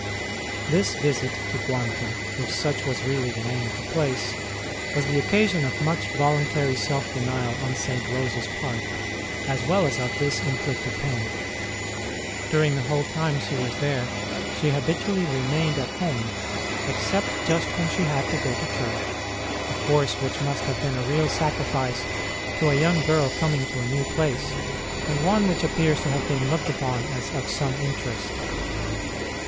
This visit to Guarita if such was really the name of the place was the occasion of much voluntary self denial on St. Rose s part, as well as of this inflicted pain. During the whole time she was there she habitually remained at home, except just when she had to go to church, a course which must have been a real sacrifice to a young girl coming to a new place, and one which appears to have been looked upon as 58 ST. ROSE OF LIMA of some interest.